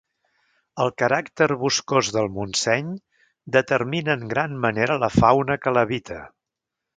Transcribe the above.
El caràcter boscós del Montseny determina en gran manera la fauna que l'habita.